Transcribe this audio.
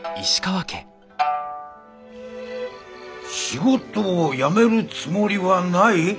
仕事を辞めるつもりはない？